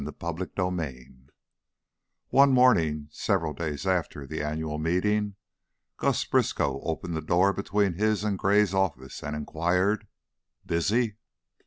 CHAPTER XXIX One morning, several days after the annual meeting, Gus Briskow opened the door between his and Gray's office and inquired, "Busy?"